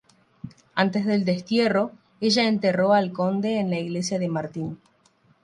Antes del destierro ella enterró al conde en la iglesia de Martín.